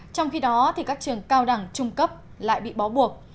trong khi đó các trường cao đẳng trung cấp lại bị bó buộc